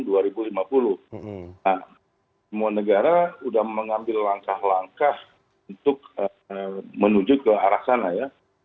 nah semua negara sudah mengambil langkah langkah untuk menuju ke arah sana ya